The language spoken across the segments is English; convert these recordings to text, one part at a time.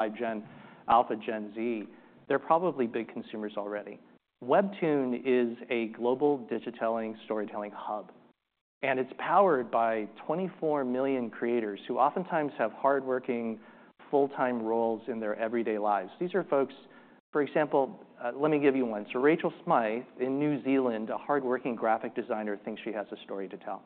By Gen Alpha, Gen Z, they're probably big consumers already. WEBTOON is a global digital storytelling hub, and it's powered by 24 million creators who oftentimes have hardworking, full-time roles in their everyday lives. These are folks, for example, let me give you one, so Rachel Smythe in New Zealand, a hardworking graphic designer, thinks she has a story to tell,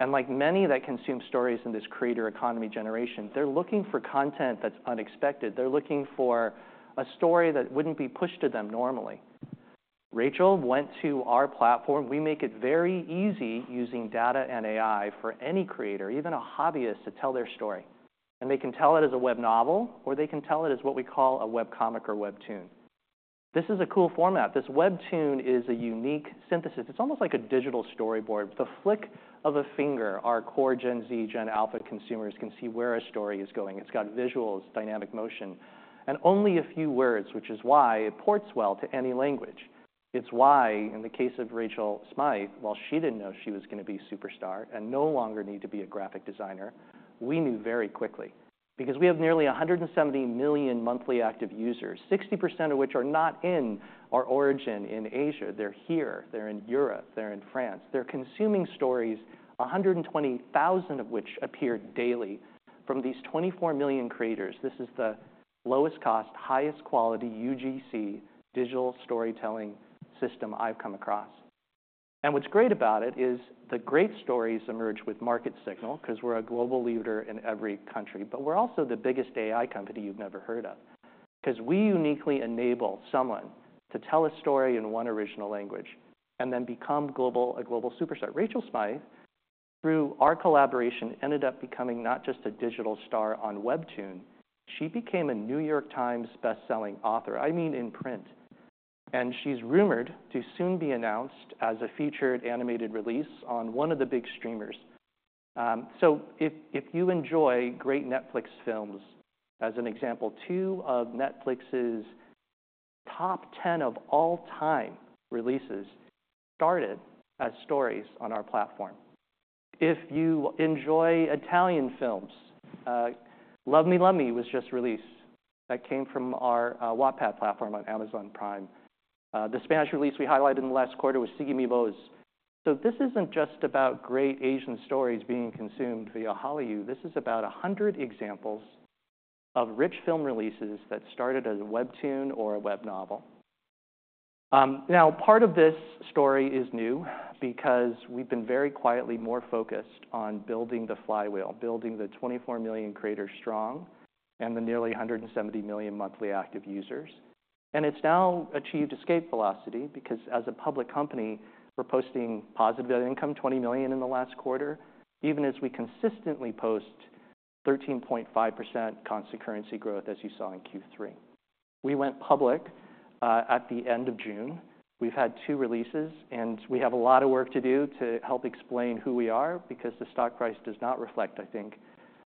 and like many that consume stories in this creator economy generation, they're looking for content that's unexpected. They're looking for a story that wouldn't be pushed to them normally. Rachel went to our platform. We make it very easy using data and AI for any creator, even a hobbyist, to tell their story, and they can tell it as a web novel, or they can tell it as what we call a web comic or WEBTOON. This is a cool format. This WEBTOON is a unique synthesis. It's almost like a digital storyboard. With a flick of a finger, our core Gen Z, Gen Alpha consumers can see where a story is going. It's got visuals, dynamic motion, and only a few words, which is why it ports well to any language. It's why, in the case of Rachel Smythe, while she didn't know she was going to be a superstar and no longer need to be a graphic designer, we knew very quickly. Because we have nearly 170 million monthly active users, 60% of which are not in our origin in Asia. They're here. They're in Europe. They're in France. They're consuming stories, 120,000 of which appear daily. From these 24 million creators, this is the lowest cost, highest quality UGC digital storytelling system I've come across. What's great about it is the great stories emerge with market signal because we're a global leader in every country, but we're also the biggest AI company you've never heard of. Because we uniquely enable someone to tell a story in one original language and then become a global superstar. Rachel Smythe, through our collaboration, ended up becoming not just a digital star on WEBTOON. She became a New York Times bestselling author, I mean in print. She's rumored to soon be announced as a featured animated release on one of the big streamers. If you enjoy great Netflix films, as an example, two of Netflix's top 10 of all time releases started as stories on our platform. If you enjoy Italian films, Love Me, Love Me was just released. That came from our Wattpad platform on Amazon Prime. The Spanish release we highlighted in the last quarter was Sigue Mi Voz. So this isn't just about great Asian stories being consumed via Hallyu. This is about 100 examples of rich film releases that started as a WEBTOON or a web novel. Now, part of this story is new because we've been very quietly more focused on building the flywheel, building the 24 million creators strong and the nearly 170 million monthly active users. And it's now achieved escape velocity because, as a public company, we're posting positive income, $20 million in the last quarter, even as we consistently post 13.5% constant currency growth, as you saw in Q3. We went public at the end of June. We've had two releases, and we have a lot of work to do to help explain who we are because the stock price does not reflect, I think,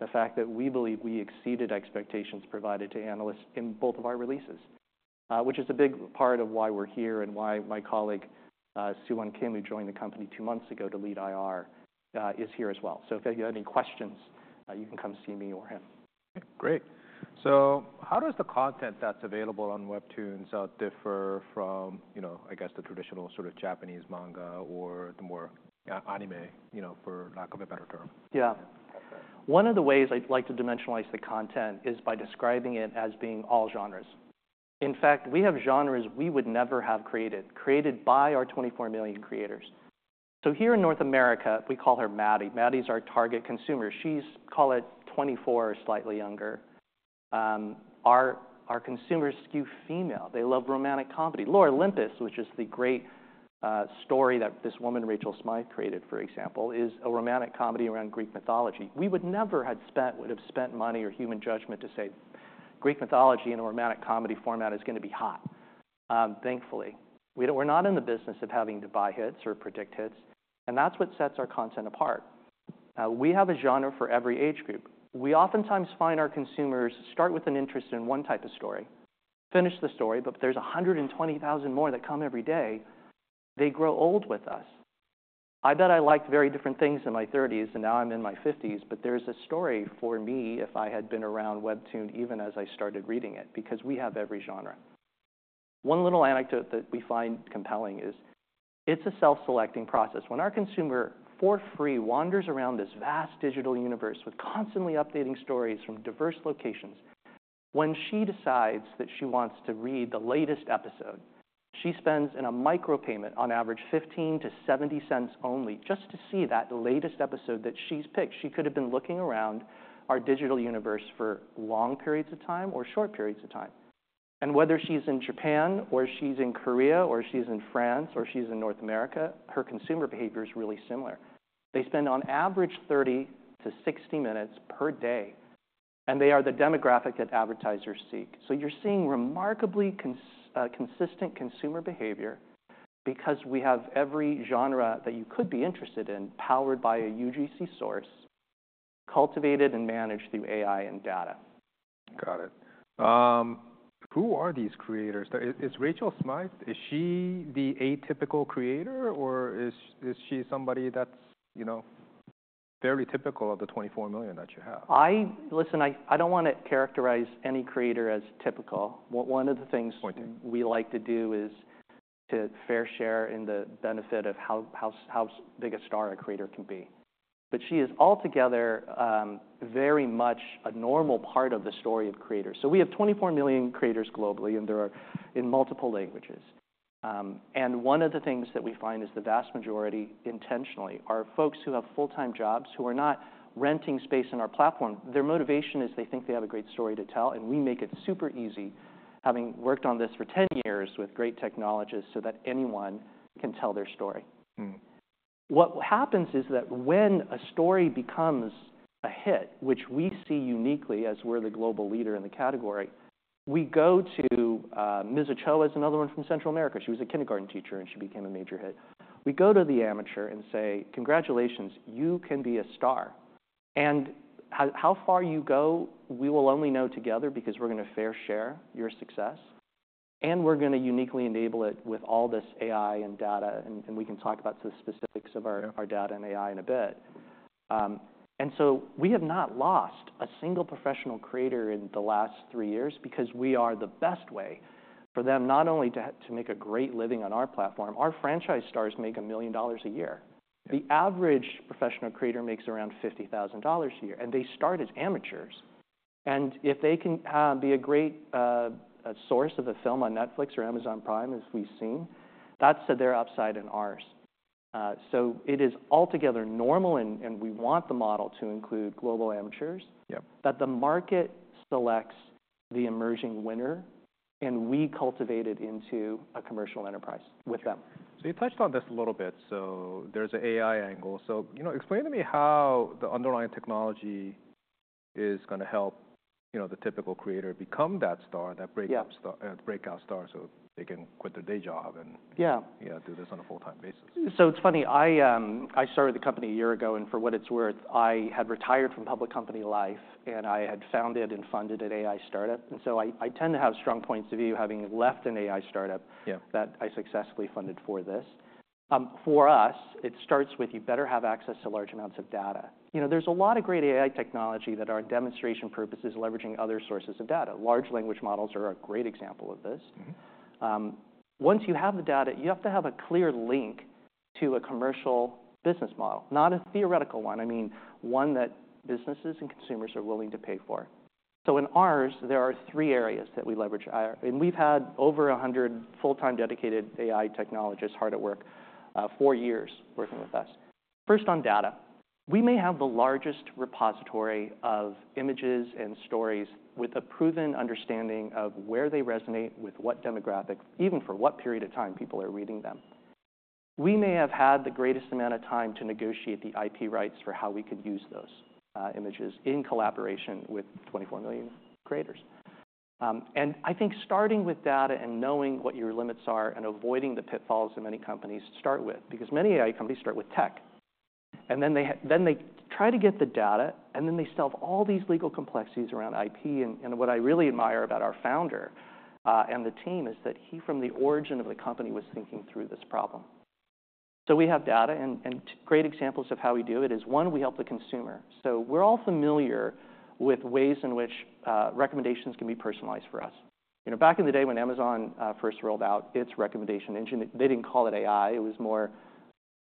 the fact that we believe we exceeded expectations provided to analysts in both of our releases, which is a big part of why we're here and why my colleague, Soohwan Kim, who joined the company two months ago to lead IR, is here as well. So if you have any questions, you can come see me or him. Great. So how does the content that's available on WEBTOON differ from, I guess, the traditional sort of Japanese manga or the more anime, for lack of a better term? Yeah. One of the ways I'd like to dimensionalize the content is by describing it as being all genres. In fact, we have genres we would never have created, created by our 24 million creators. So here in North America, we call her Maddie. Maddie's our target consumer. She's, call it, 24 or slightly younger. Our consumers skew female. They love romantic comedy. Lore Olympus, which is the great story that this woman, Rachel Smythe, created, for example, is a romantic comedy around Greek mythology. We would never have spent money or human judgment to say Greek mythology in a romantic comedy format is going to be hot, thankfully. We're not in the business of having to buy hits or predict hits. And that's what sets our content apart. We have a genre for every age group. We oftentimes find our consumers start with an interest in one type of story, finish the story, but there's 120,000 more that come every day. They grow old with us. I bet I liked very different things in my 30s, and now I'm in my 50s, but there's a story for me if I had been around WEBTOON even as I started reading it because we have every genre. One little anecdote that we find compelling is it's a self-selecting process. When our consumer for free wanders around this vast digital universe with constantly updating stories from diverse locations, when she decides that she wants to read the latest episode, she spends in a micropayment, on average, $0.15-$0.70 only, just to see that latest episode that she's picked. She could have been looking around our digital universe for long periods of time or short periods of time. Whether she's in Japan or she's in Korea or she's in France or she's in North America, her consumer behavior is really similar. They spend, on average, 30 to 60 minutes per day, and they are the demographic that advertisers seek. So you're seeing remarkably consistent consumer behavior because we have every genre that you could be interested in powered by a UGC source, cultivated and managed through AI and data. Got it. Who are these creators? Is Rachel Smythe, is she the atypical creator, or is she somebody that's fairly typical of the 24 million that you have? Listen, I don't want to characterize any creator as typical. One of the things we like to do is to fairly share in the benefit of how big a star a creator can be. But she is altogether very much a normal part of the story of creators. So we have 24 million creators globally, and they're in multiple languages. And one of the things that we find is the vast majority, intentionally, are folks who have full-time jobs who are not renting space in our platform. Their motivation is they think they have a great story to tell, and we make it super easy, having worked on this for 10 years with great technologists, so that anyone can tell their story. What happens is that when a story becomes a hit, which we see uniquely as we're the global leader in the category, we go to Ms. Ochoa is another one from Central America. She was a kindergarten teacher, and she became a major hit. We go to the amateur and say, "Congratulations. You can be a star." And how far you go, we will only know together because we're going to fairly share your success, and we're going to uniquely enable it with all this AI and data, and we can talk about the specifics of our data and AI in a bit. We have not lost a single professional creator in the last three years because we are the best way for them not only to make a great living on our platform. Our franchise stars make $1 million a year. The average professional creator makes around $50,000 a year, and they start as amateurs. And if they can be a great source of a film on Netflix or Amazon Prime, as we've seen, that's their upside and ours. So it is altogether normal, and we want the model to include global amateurs, that the market selects the emerging winner, and we cultivate it into a commercial enterprise with them. So you touched on this a little bit. So there's an AI angle. So explain to me how the underlying technology is going to help the typical creator become that star, that breakout star, so they can quit their day job and do this on a full-time basis? So it's funny. I started the company a year ago, and for what it's worth, I had retired from public company life, and I had founded and funded an AI startup. And so I tend to have strong points of view, having left an AI startup that I successfully funded for this. For us, it starts with you better have access to large amounts of data. There's a lot of great AI technology that, for demonstration purposes, is leveraging other sources of data. Large language models are a great example of this. Once you have the data, you have to have a clear link to a commercial business model, not a theoretical one, I mean, one that businesses and consumers are willing to pay for. So in ours, there are three areas that we leverage. We've had over 100 full-time dedicated AI technologists hard at work, four years working with us. First, on data. We may have the largest repository of images and stories with a proven understanding of where they resonate with what demographic, even for what period of time people are reading them. We may have had the greatest amount of time to negotiate the IP rights for how we could use those images in collaboration with 24 million creators. I think starting with data and knowing what your limits are and avoiding the pitfalls in many companies to start with, because many AI companies start with tech, and then they try to get the data, and then they solve all these legal complexities around IP. What I really admire about our founder and the team is that he, from the origin of the company, was thinking through this problem. So, we have data, and great examples of how we do it is one: we help the consumer. So, we're all familiar with ways in which recommendations can be personalized for us. Back in the day, when Amazon first rolled out its recommendation engine, they didn't call it AI. It was more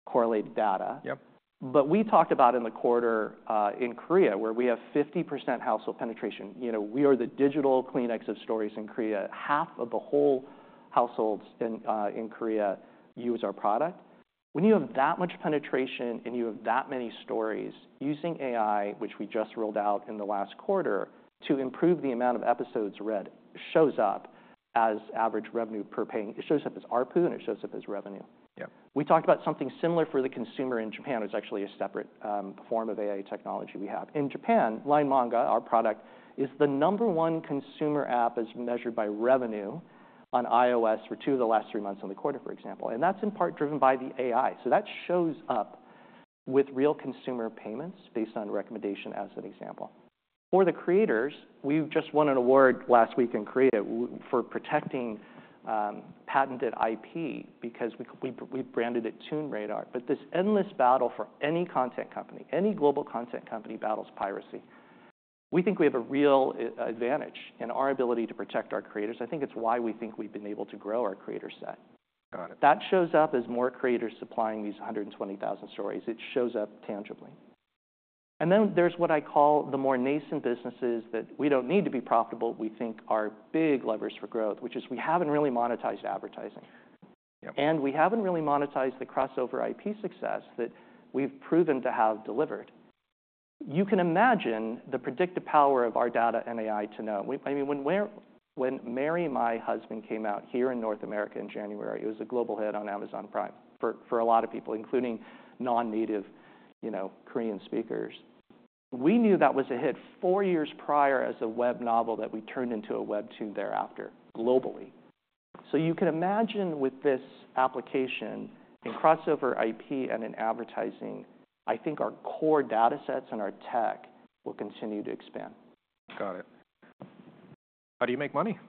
correlated data. But we talked about in the quarter in Korea, where we have 50% household penetration. We are the digital Kleenex of stories in Korea. Half of the whole households in Korea use our product. When you have that much penetration and you have that many stories, using AI, which we just rolled out in the last quarter to improve the amount of episodes read, shows up as average revenue per paying. It shows up as ARPU, and it shows up as revenue. We talked about something similar for the consumer in Japan. It's actually a separate form of AI technology we have. In Japan, LINE Manga, our product, is the number one consumer app as measured by revenue on iOS for two of the last three months in the quarter, for example, and that's in part driven by the AI. That shows up with real consumer payments based on recommendation, as an example. For the creators, we just won an award last week in Korea for protecting patented IP because we branded it Toon Radar. This endless battle for any content company, any global content company battles piracy. We think we have a real advantage in our ability to protect our creators. I think it's why we think we've been able to grow our creator set. That shows up as more creators supplying these 120,000 stories. It shows up tangibly. And then there's what I call the more nascent businesses that we don't need to be profitable. We think they are big levers for growth, which is we haven't really monetized advertising. And we haven't really monetized the crossover IP success that we've proven to have delivered. You can imagine the predictive power of our data and AI to know. I mean, when Marry My Husband came out in North America in January, it was a global hit on Amazon Prime for a lot of people, including non-native Korean speakers. We knew that was a hit four years prior as a web novel that we turned into a WEBTOON thereafter, globally. So you can imagine with this application in crossover IP and in advertising. I think our core data sets and our tech will continue to expand. Got it. How do you make money?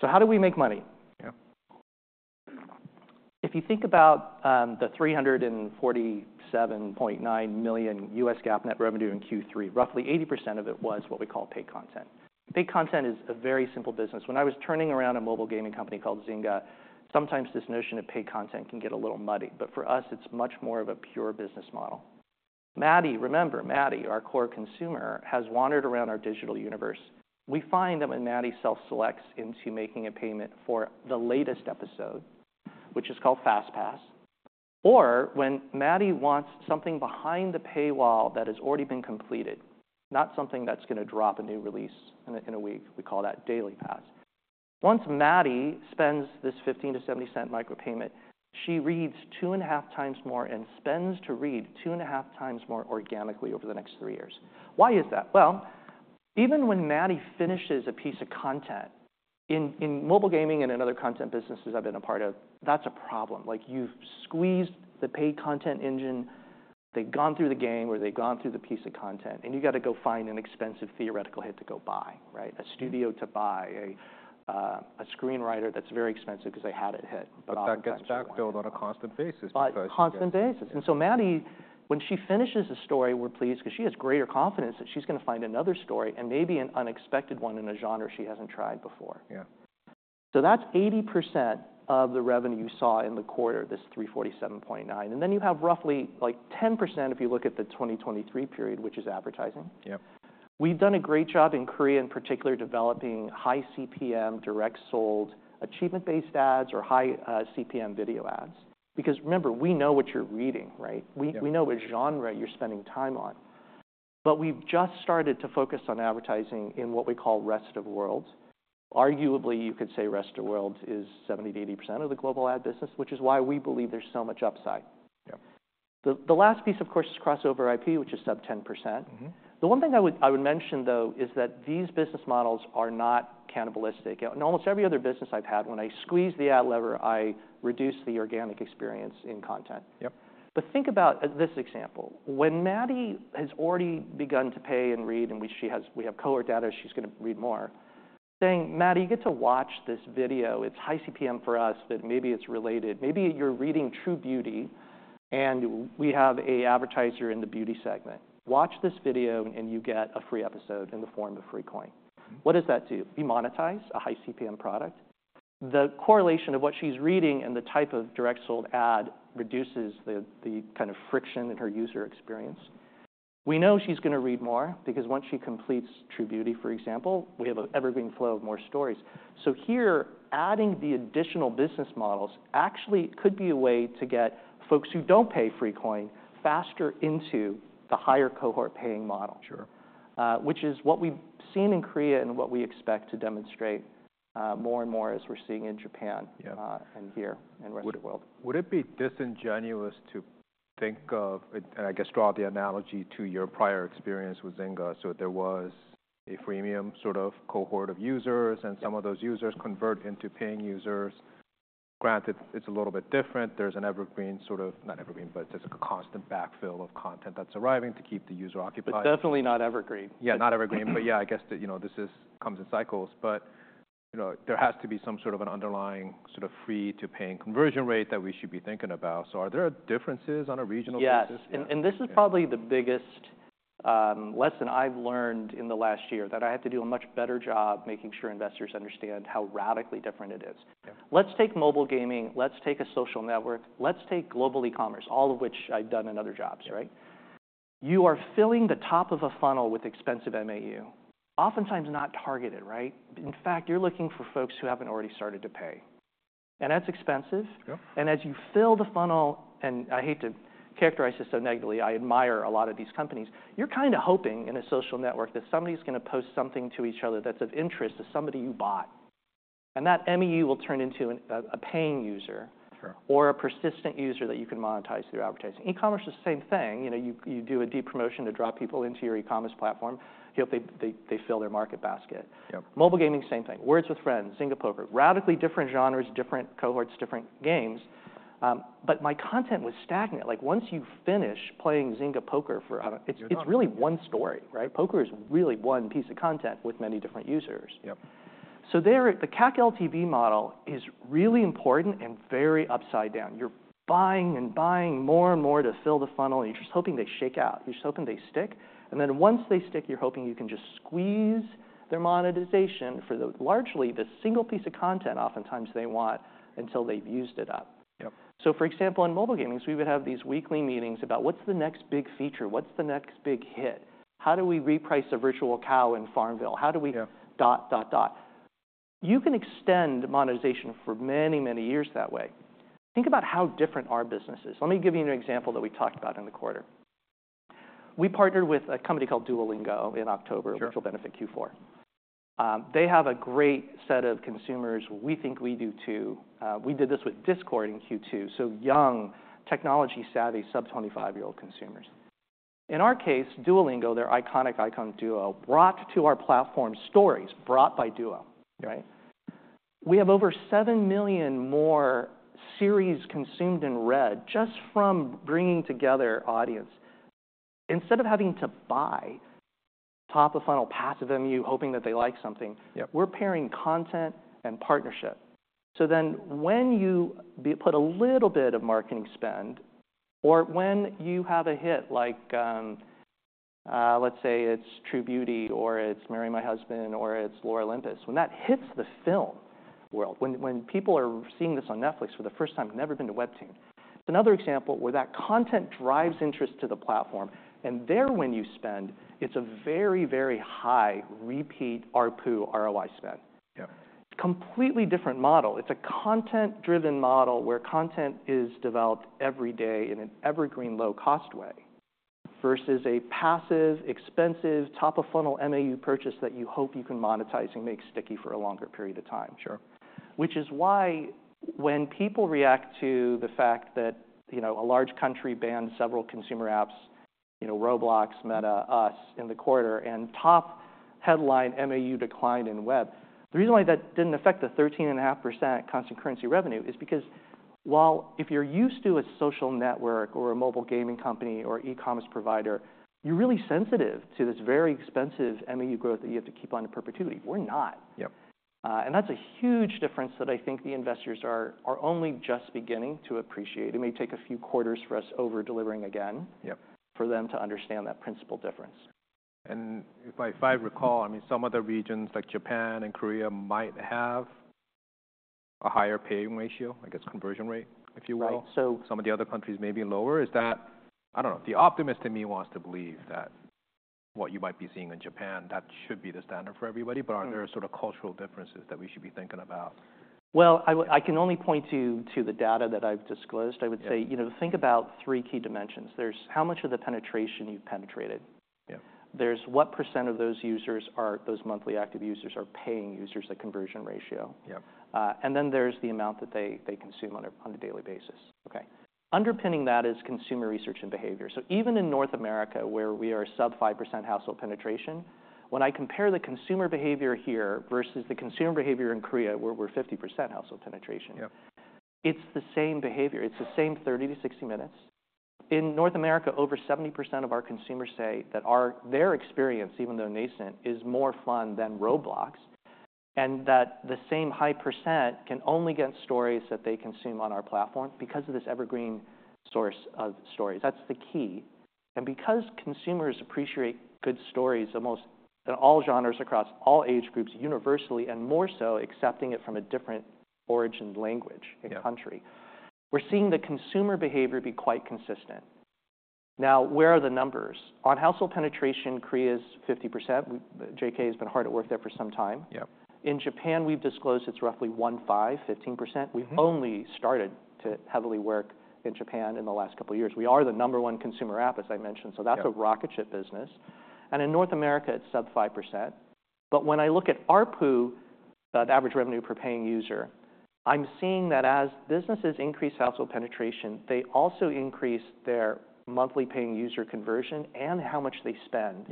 So how do we make money? If you think about the $347.9 million U.S. GAAP net revenue in Q3, roughly 80% of it was what we call Paid Content. Paid Content is a very simple business. When I was turning around a mobile gaming company called Zynga, sometimes this notion of paid content can get a little muddy. But for us, it's much more of a pure business model. Maddie, remember, Maddie, our core consumer, has wandered around our digital universe. We find that when Maddie self-selects into making a payment for the latest episode, which is called Fast Pass, or when Maddie wants something behind the paywall that has already been completed, not something that's going to drop a new release in a week, we call that Daily Pass. Once Maddie spends this $0.15-$0.70 micropayment, she reads two and a half times more and spends to read two and a half times more organically over the next three years. Why is that? Well, even when Maddie finishes a piece of content, in mobile gaming and in other content businesses I've been a part of, that's a problem. You've squeezed the paid content engine. They've gone through the game or they've gone through the piece of content, and you've got to go find an expensive theoretical hit to go buy, a studio to buy, a screenwriter that's very expensive because they had it hit. That gets backfilled on a constant basis. On a constant basis, and so Maddie, when she finishes a story, we're pleased because she has greater confidence that she's going to find another story and maybe an unexpected one in a genre she hasn't tried before, so that's 80% of the revenue you saw in the quarter, this $347.9, and then you have roughly 10% if you look at the 2023 period, which is advertising. We've done a great job in Korea, in particular, developing high CPM, direct sold, achievement-based ads, or high CPM video ads. Because remember, we know what you're reading. We know what genre you're spending time on, but we've just started to focus on advertising in what we call Rest of World. Arguably, you could say Rest of World is 70%-80% of the global ad business, which is why we believe there's so much upside. The last piece, of course, is crossover IP, which is sub 10%. The one thing I would mention, though, is that these business models are not cannibalistic. In almost every other business I've had, when I squeeze the ad lever, I reduce the organic experience in content. But think about this example. When Maddie has already begun to pay and read, and we have cohort data, she's going to read more, saying, "Maddie, you get to watch this video. It's high CPM for us, but maybe it's related. Maybe you're reading True Beauty, and we have an advertiser in the beauty segment. Watch this video, and you get a free episode in the form of free coin." What does that do? You monetize a high CPM product. The correlation of what she's reading and the type of direct sold ad reduces the kind of friction in her user experience. We know she's going to read more because once she completes True Beauty, for example, we have an evergreen flow of more stories. So here, adding the additional business models actually could be a way to get folks who don't pay free coin faster into the higher cohort paying model, which is what we've seen in Korea and what we expect to demonstrate more and more as we're seeing in Japan and here in rest of the world. Would it be disingenuous to think of, and I guess draw the analogy to your prior experience with Zynga? So there was a freemium sort of cohort of users, and some of those users convert into paying users. Granted, it's a little bit different. There's an evergreen sort of, not evergreen, but there's a constant backfill of content that's arriving to keep the user occupied. But definitely not evergreen. Yeah, not evergreen. But yeah, I guess this comes in cycles. But there has to be some sort of an underlying sort of free to paying conversion rate that we should be thinking about. So are there differences on a regional basis? Yes. And this is probably the biggest lesson I've learned in the last year, that I have to do a much better job making sure investors understand how radically different it is. Let's take mobile gaming. Let's take a social network. Let's take global e-commerce, all of which I've done in other jobs. You are filling the top of a funnel with expensive MAU, oftentimes not targeted. In fact, you're looking for folks who haven't already started to pay. And that's expensive. And as you fill the funnel, and I hate to characterize this so negatively, I admire a lot of these companies, you're kind of hoping in a social network that somebody's going to post something to each other that's of interest to somebody you bought. And that MAU will turn into a paying user or a persistent user that you can monetize through advertising. E-commerce is the same thing. You do a deep promotion to draw people into your e-commerce platform. You hope they fill their market basket. Mobile gaming, same thing. Words With Friends, Zynga Poker, radically different genres, different cohorts, different games. But my content was stagnant. Once you finish playing Zynga Poker, it's really one story. Poker is really one piece of content with many different users. So the CAC/LTV model is really important and very upside down. You're buying and buying more and more to fill the funnel. You're just hoping they shake out. You're just hoping they stick. And then once they stick, you're hoping you can just squeeze their monetization for largely the single piece of content oftentimes they want until they've used it up. So for example, in mobile gaming, we would have these weekly meetings about what's the next big feature, what's the next big hit, how do we reprice a virtual cow in FarmVille, how do we dot, dot, dot. You can extend monetization for many, many years that way. Think about how different our business is. Let me give you an example that we talked about in the quarter. We partnered with a company called Duolingo in October, which will benefit Q4. They have a great set of consumers. We think we do too. We did this with Discord in Q2, so young, technology-savvy sub-25-year-old consumers. In our case, Duolingo, their iconic icon, Duo, brought to our platform stories, brought by Duo. We have over 7 million more series consumed and read just from bringing together audience. Instead of having to buy top of funnel passive MAU, hoping that they like something, we're pairing content and partnership, so then when you put a little bit of marketing spend, or when you have a hit, like let's say it's True Beauty, or it's Marry My Husband, or it's Lore Olympus, when that hits the film world, when people are seeing this on Netflix for the first time, never been to WEBTOON, it's another example where that content drives interest to the platform, and there when you spend, it's a very, very high repeat ARPU ROI spend. Completely different model. It's a content-driven model where content is developed every day in an evergreen low-cost way versus a passive, expensive top of funnel MAU purchase that you hope you can monetize and make sticky for a longer period of time. Which is why, when people react to the fact that a large country banned several consumer apps, Roblox, Meta, us in the quarter, and top headline MAU declined in web, the reason why that didn't affect the 13.5% constant currency revenue is because, while if you're used to a social network or a mobile gaming company or e-commerce provider, you're really sensitive to this very expensive MAU growth that you have to keep on to perpetuity, we're not. And that's a huge difference that I think the investors are only just beginning to appreciate. It may take a few quarters for us over-delivering again for them to understand that principle difference. If I recall, I mean, some other regions like Japan and Korea might have a higher paying ratio, I guess conversion rate, if you will. Some of the other countries may be lower. I don't know. The optimist in me wants to believe that what you might be seeing in Japan, that should be the standard for everybody. But are there sort of cultural differences that we should be thinking about? I can only point to the data that I've disclosed. I would say think about three key dimensions. There's how much of the penetration you've penetrated. There's what percent of those users, those monthly active users, are paying users, the conversion ratio. Then there's the amount that they consume on a daily basis. Underpinning that is consumer research and behavior. Even in North America, where we are sub 5% household penetration, when I compare the consumer behavior here versus the consumer behavior in Korea, where we're 50% household penetration, it's the same behavior. It's the same 30-60 minutes. In North America, over 70% of our consumers say that their experience, even though nascent, is more fun than Roblox, and that the same high percent can only get stories that they consume on our platform because of this evergreen source of stories. That's the key. Because consumers appreciate good stories in all genres across all age groups universally and more so accepting it from a different origin, language, and country, we're seeing the consumer behavior be quite consistent. Now, where are the numbers? On household penetration, Korea is 50%. JK has been hard at work there for some time. In Japan, we've disclosed it's roughly 15%. We've only started to heavily work in Japan in the last couple of years. We are the number one consumer app, as I mentioned. So that's a rocket ship business. And in North America, it's sub-5%. But when I look at ARPU, the average revenue per paying user, I'm seeing that as businesses increase household penetration, they also increase their monthly paying user conversion and how much they spend.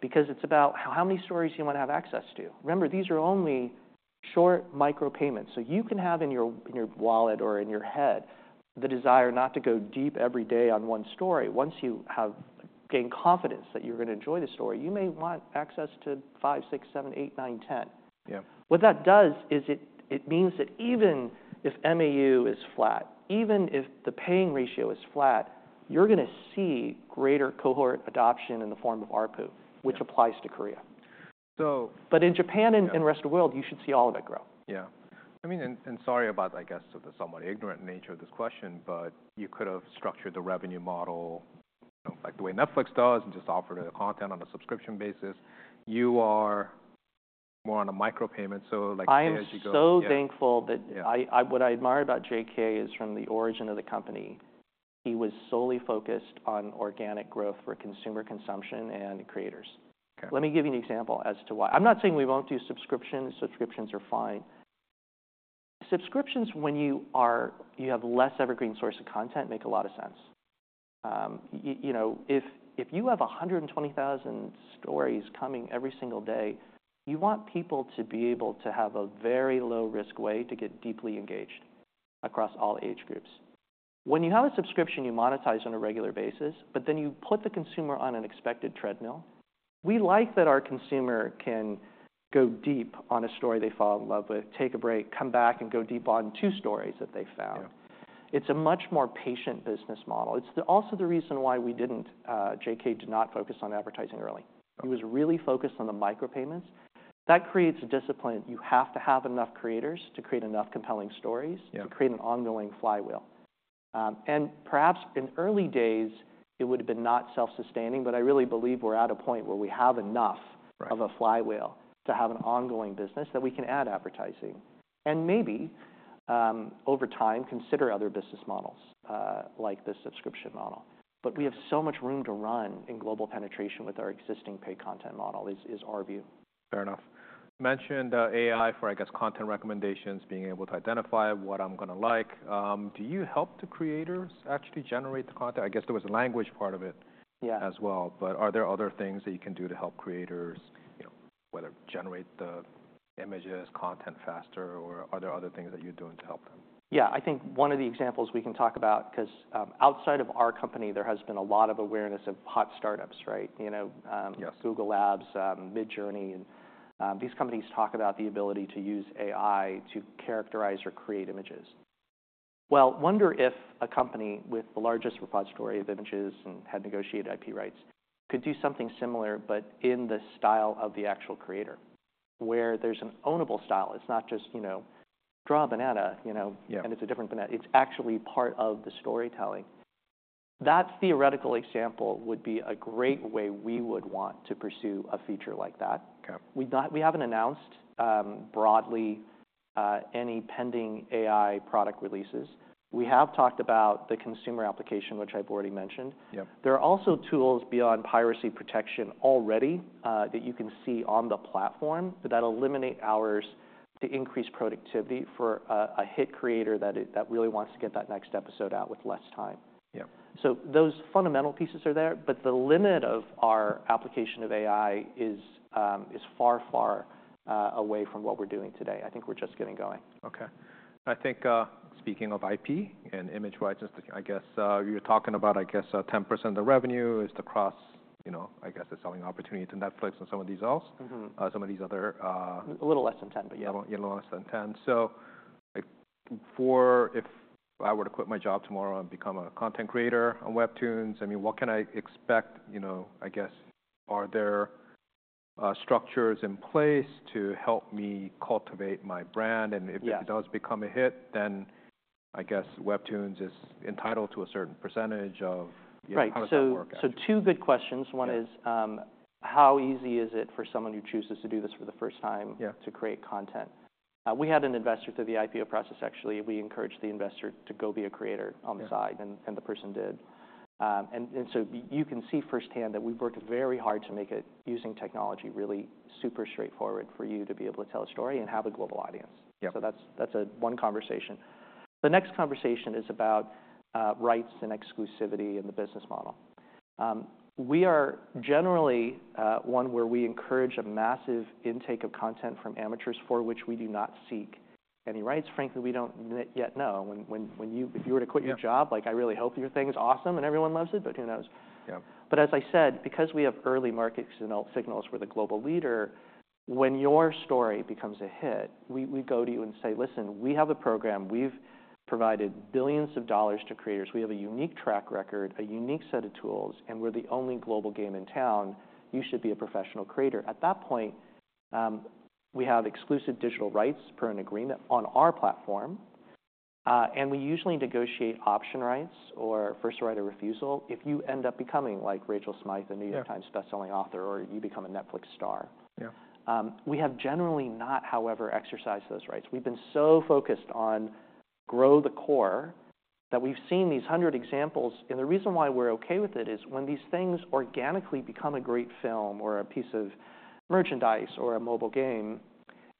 Because it's about how many stories you want to have access to. Remember, these are only short micropayments. You can have in your wallet or in your head the desire not to go deep every day on one story. Once you have gained confidence that you're going to enjoy the story, you may want access to five, six, seven, eight, nine, 10. What that does is it means that even if MAU is flat, even if the paying ratio is flat, you're going to see greater cohort adoption in the form of ARPU, which applies to Korea. But in Japan and the rest of the world, you should see all of it grow. Yeah. I mean, and sorry about, I guess, the somewhat ignorant nature of this question, but you could have structured the revenue model like the way Netflix does and just offered the content on a subscription basis? You are more on a micropayment. So as you go. I am so thankful that what I admire about JK is from the origin of the company, he was solely focused on organic growth for consumer consumption and creators. Let me give you an example as to why. I'm not saying we won't do subscriptions. Subscriptions are fine. Subscriptions, when you have less evergreen source of content, make a lot of sense. If you have 120,000 stories coming every single day, you want people to be able to have a very low-risk way to get deeply engaged across all age groups. When you have a subscription, you monetize on a regular basis, but then you put the consumer on an expected treadmill. We like that our consumer can go deep on a story they fall in love with, take a break, come back, and go deep on two stories that they found. It's a much more patient business model. It's also the reason why JK did not focus on advertising early. He was really focused on the micropayments. That creates a discipline. You have to have enough creators to create enough compelling stories to create an ongoing flywheel. And perhaps in early days, it would have been not self-sustaining, but I really believe we're at a point where we have enough of a flywheel to have an ongoing business that we can add advertising. And maybe over time, consider other business models like this subscription model. But we have so much room to run in global penetration with our existing paid content model, is our view. Fair enough. You mentioned AI for, I guess, content recommendations, being able to identify what I'm going to like. Do you help the creators actually generate the content? I guess there was a language part of it as well. But are there other things that you can do to help creators, whether generate the images, content faster, or are there other things that you're doing to help them? Yeah. I think one of the examples we can talk about, because outside of our company, there has been a lot of awareness of hot startups, Google Labs, Midjourney. These companies talk about the ability to use AI to characterize or create images. Well, I wonder if a company with the largest repository of images and had negotiated IP rights could do something similar, but in the style of the actual creator, where there's an ownable style. It's not just draw a banana, and it's a different banana. It's actually part of the storytelling. That theoretical example would be a great way we would want to pursue a feature like that. We haven't announced broadly any pending AI product releases. We have talked about the consumer application, which I've already mentioned. There are also tools beyond piracy protection already that you can see on the platform that eliminate hours to increase productivity for a hit creator that really wants to get that next episode out with less time. So those fundamental pieces are there. But the limit of our application of AI is far, far away from what we're doing today. I think we're just getting going. OK. I think, speaking of IP and image rights, I guess you're talking about, I guess, 10% of the revenue is across, I guess, the selling opportunity to Netflix and some of these other. A little less than 10, but yeah. A little less than 10. So if I were to quit my job tomorrow and become a content creator on WEBTOON, I mean, what can I expect? I guess, are there structures in place to help me cultivate my brand? And if it does become a hit, then I guess WEBTOON is entitled to a certain percentage of how that will work out? Right. So two good questions. One is, how easy is it for someone who chooses to do this for the first time to create content? We had an investor through the IPO process, actually. We encouraged the investor to go be a creator on the side, and the person did. And so you can see firsthand that we've worked very hard to make it using technology really super straightforward for you to be able to tell a story and have a global audience. So that's one conversation. The next conversation is about rights and exclusivity in the business model. We are generally one where we encourage a massive intake of content from amateurs for which we do not seek any rights. Frankly, we don't yet know. If you were to quit your job, I really hope your thing's awesome and everyone loves it, but who knows? But as I said, because we have early market signals for the global leader, when your story becomes a hit, we go to you and say, listen, we have a program. We've provided billions of dollars to creators. We have a unique track record, a unique set of tools, and we're the only global game in town. You should be a professional creator. At that point, we have exclusive digital rights per an agreement on our platform. And we usually negotiate option rights or first right of refusal if you end up becoming like Rachel Smythe, a New York Times bestselling author, or you become a Netflix star. We have generally not, however, exercised those rights. We've been so focused on growing the core that we've seen these 100 examples. The reason why we're OK with it is when these things organically become a great film or a piece of merchandise or a mobile game,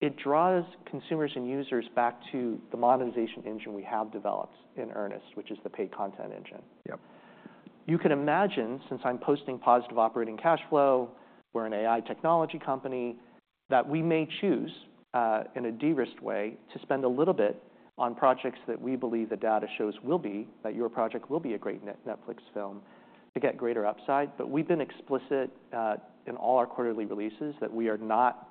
it draws consumers and users back to the monetization engine we have developed in earnest, which is the paid content engine. You can imagine, since I'm posting positive operating cash flow, we're an AI technology company, that we may choose in a de-risked way to spend a little bit on projects that we believe the data shows will be, that your project will be a great Netflix film, to get greater upside. We've been explicit in all our quarterly releases that we are not,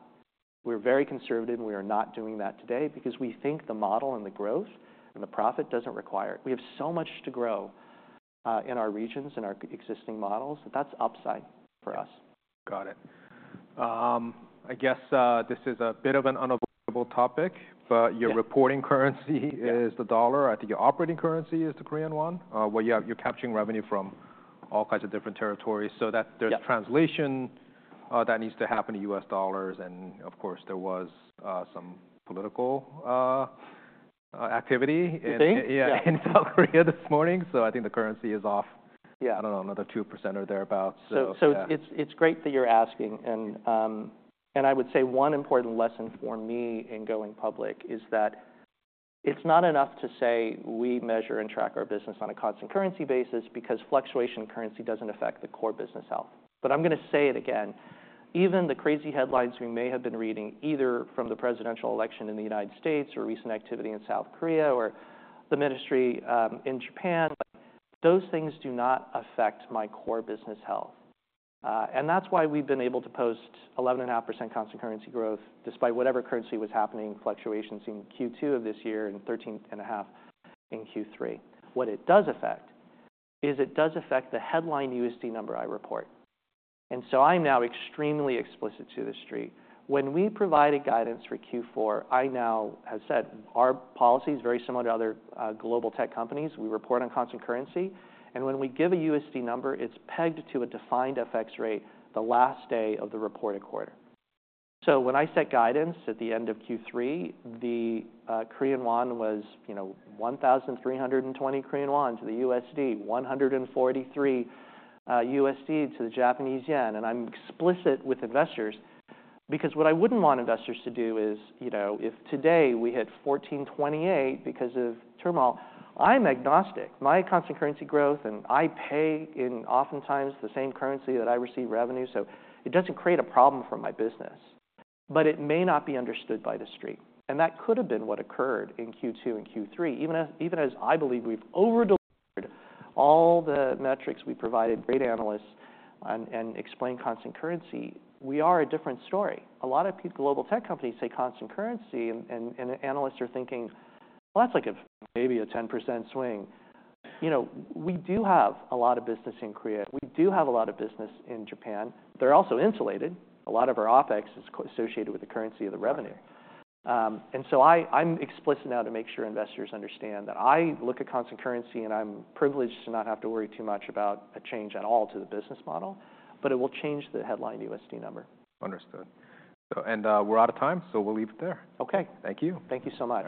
we're very conservative, and we are not doing that today because we think the model and the growth and the profit doesn't require it. We have so much to grow in our regions and our existing models that that's upside for us. Got it. I guess this is a bit of an unavoidable topic, but your reporting currency is the dollar. I think your operating currency is the KRW, where you're capturing revenue from all kinds of different territories. So there's translation that needs to happen in U.S. dollars. And of course, there was some political activity in South Korea this morning. So I think the currency is off, I don't know, another 2% or thereabouts. It's great that you're asking. I would say one important lesson for me in going public is that it's not enough to say we measure and track our business on a constant currency basis because fluctuation in currency doesn't affect the core business health. But I'm going to say it again. Even the crazy headlines we may have been reading, either from the presidential election in the United States or recent activity in South Korea or the ministry in Japan, those things do not affect my core business health. And that's why we've been able to post 11.5% constant currency growth despite whatever currency was happening, fluctuations in Q2 of this year and 13.5% in Q3. What it does affect is it does affect the headline USD number I report. And so I'm now extremely explicit to the street. When we provide guidance for Q4, I now have said our policy is very similar to other global tech companies. We report on constant currency, and when we give a USD number, it's pegged to a defined FX rate the last day of the reported quarter, so when I set guidance at the end of Q3, the KRW was 1,320 Korean won to the USD, $143 to JPY. And I'm explicit with investors because what I wouldn't want investors to do is if today we hit 1,428 because of turmoil, I'm agnostic. My constant currency growth, and I pay in oftentimes the same currency that I receive revenue, so it doesn't create a problem for my business, but it may not be understood by the street. That could have been what occurred in Q2 and Q3, even as I believe we've over-delivered all the metrics we provided great analysts and explained constant currency. We are a different story. A lot of global tech companies say constant currency, and analysts are thinking, well, that's like maybe a 10% swing. We do have a lot of business in Korea. We do have a lot of business in Japan. They're also insulated. A lot of our OpEx is associated with the currency of the revenue. And so I'm explicit now to make sure investors understand that I look at constant currency and I'm privileged to not have to worry too much about a change at all to the business model. But it will change the headline USD number. Understood. And we're out of time, so we'll leave it there. OK. Thank you. Thank you so much.